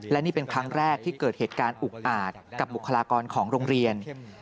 และนี่เป็นครั้งแรกที่เกิดเหตุการณ์อุกอาจกับบุคลากรของโรงเรียน